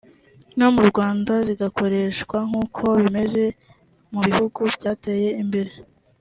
no mu Rwanda zigakoreshwa nk’uko bimeze mu bihugu byateye imbere